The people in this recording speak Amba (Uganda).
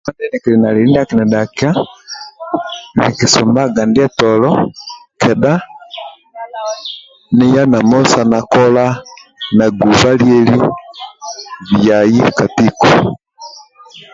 Kabha ndie kili na lieli ndia akinidhakia nikisumbaga ndietolo kedha niya namusa na kola na guba lieli ka tiko